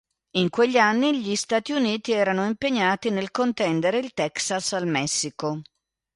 In quegli anni gli Stati Uniti erano impegnati nel contendere il Texas al Messico.